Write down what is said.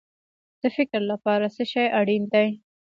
د فکر لپاره څه شی اړین دی؟